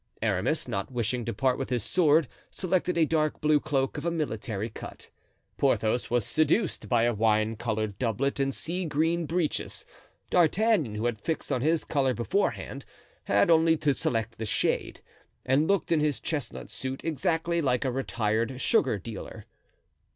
Aramis, not wishing to part with his sword, selected a dark blue cloak of a military cut. Porthos was seduced by a wine colored doublet and sea green breeches. D'Artagnan, who had fixed on his color beforehand, had only to select the shade, and looked in his chestnut suit exactly like a retired sugar dealer.